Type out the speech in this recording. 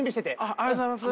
ありがとうございます。